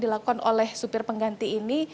dilakukan oleh supir pengganti ini